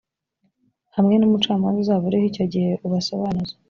hamwe n’umucamanza uzaba ariho icyo gihe, ubasobanuze: